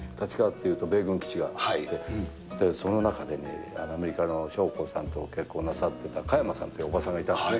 立川っていうと米軍基地があって、その中にね、アメリカの将校さんと結婚なさってたカヤマさんっていうおばさんがいたんですね。